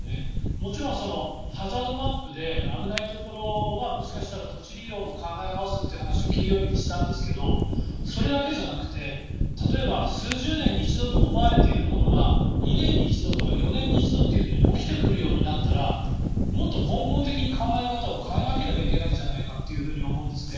もちろんハザードマップで危ないところはもしかしたら土地利用も考え直すという話を金曜日にしたんですがそれだけじゃなくて例えば、数十年に一度と思われているものが２年に一度とか４年に一度とか起きてくるようになったらもっと根本的に考え方を変えなければいけないんじゃないかと思うんですね。